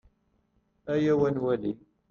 Ayaw ad nwali.